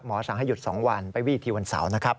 สั่งให้หยุด๒วันไปวีทีวันเสาร์นะครับ